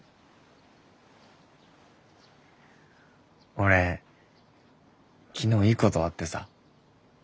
俺昨日いいことあってさ。